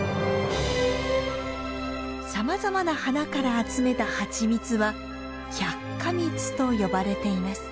さまざまな花から集めた蜂蜜は百花蜜と呼ばれています。